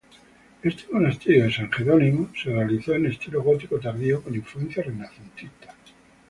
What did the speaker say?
Este monasterio de san Jerónimo se realizó en estilo gótico tardío con influencias renacentistas.